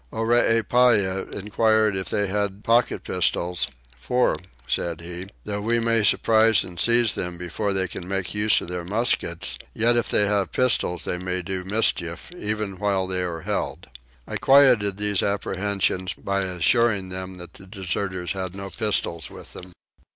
Oreepyah enquired if they had pocket pistols "for," said he, "though we may surprise and seize them before they can make use of their muskets, yet if they have pistols they may do mischief, even while they are held." I quietened these apprehensions by assuring them that the deserters had no pistols with them.